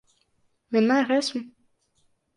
Vienmēr esmu.